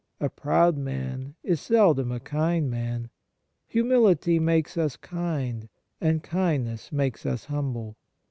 A proud man is seldom a kind man. Humility makes us kind, and kindness makes us humble.